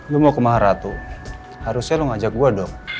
lo mau ke maharatu harusnya lo ngajak gue dong